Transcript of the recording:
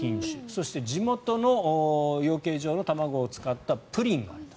そして地元の養鶏場の卵を使ったプリンがあると。